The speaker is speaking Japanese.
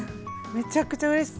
めちゃくちゃうれしい！